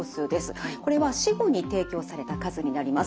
これは死後に提供された数になります。